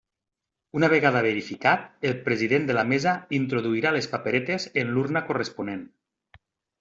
Una vegada verificat, el president de la Mesa introduirà les paperetes en l'urna corresponent.